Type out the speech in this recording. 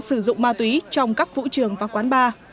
sử dụng ma túy trong các vũ trường và quán bar